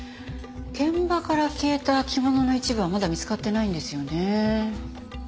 現場から消えた着物の一部はまだ見つかってないんですよね。